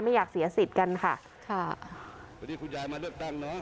ไม่อยากเสียสิทธิ์กันค่ะค่ะคุณยายมาเลือกตั้งเนอะ